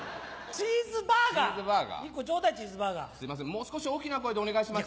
もう少し大きな声でお願いします。